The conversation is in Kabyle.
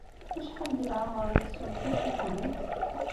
Acḥal deg leɛmeṛ-nnes umcic-nwent?